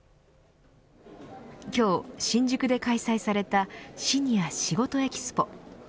今日、新宿で開催されたシニアしごとＥＸＰＯ。